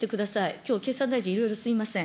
きょう、経済大臣、いろいろすみません。